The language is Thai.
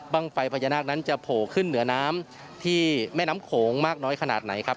ไฟพญานาคนั้นจะโผล่ขึ้นเหนือน้ำที่แม่น้ำโขงมากน้อยขนาดไหนครับ